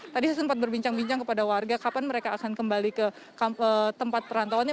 tadi saya sempat berbincang bincang kepada warga kapan mereka akan kembali ke tempat perantauannya